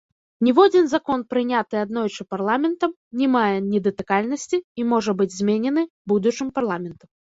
Ніводзін закон, прыняты аднойчы парламентам, не мае недатыкальнасці і можа быць зменены будучым парламентам.